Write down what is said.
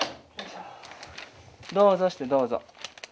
どうぞしてどうぞ。